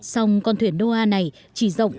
sông con thuyền doha này chỉ rộng